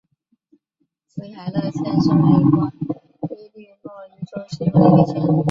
斯凯勒县是美国伊利诺伊州西部的一个县。